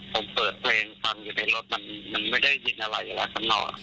ผมเปิดเพลงฟังอยู่ในรถมันไม่ได้ยินอะไรแล้วข้างนอก